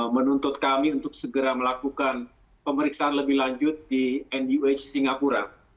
menuntut kami untuk segera melakukan pemeriksaan lebih lanjut di nuh singapura